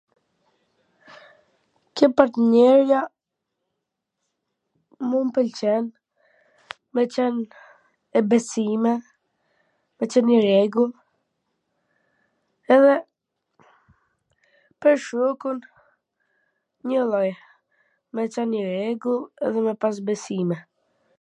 Ke partneja mu m pwlqen me qen me besime, me qen e rregullt, edhe me shokun njw lloj, me qwn i rregullt dhe me pas besime.